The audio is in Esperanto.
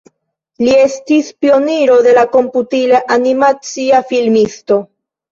Li estis pioniro de la komputila animacia filmisto.